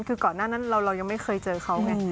คือก่อนหน้านั้นเรายังไม่เคยเจอเขาไง